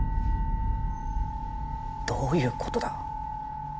どういうことだ？